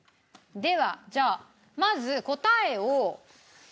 ではじゃあまず答えを。